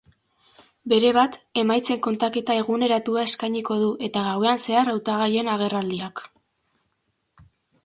Berebat, emaitzen kontaketa eguneratua eskainiko du eta gauean zehar hautagaien agerraldiak.